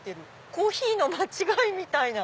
コーヒーの間違いみたいな。